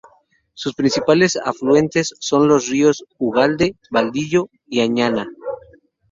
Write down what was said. Sus principales afluentes son los ríos Ugalde, Badillo y Añana.